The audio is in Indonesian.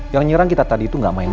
yang nyerang kita tadi itu gak main main